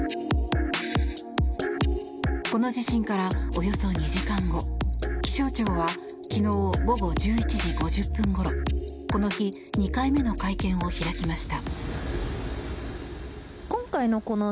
この地震から、およそ２時間後気象庁は昨日午後１１時５０分ごろこの日２回目の会見を開きました。